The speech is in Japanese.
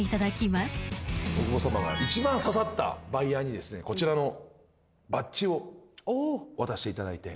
大久保さまが一番刺さったバイヤーにこちらのバッジを渡していただいて。